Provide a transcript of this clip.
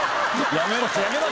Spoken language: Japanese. やめろ！